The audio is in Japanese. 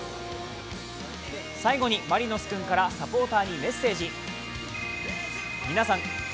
最後にマリノス君からサポーターにメッセージ。